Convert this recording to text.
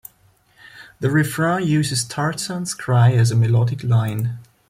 The refrain uses Tarzan's cry as a melodic line.